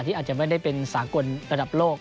อาจจะไม่ได้เป็นสากลระดับโลก